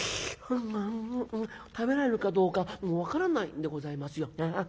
「食べられるかどうか分からないんでございますよ」。